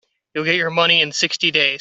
You'll get your money in sixty days.